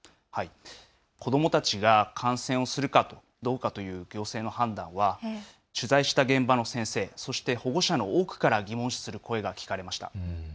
子どもたちが観戦をするかどうかという行政の判断は取材した現場の先生、そして保護者の多くから疑問視する声が聞かれました。